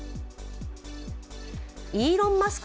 イーロン・マスク